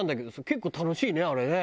結構楽しいねあれね。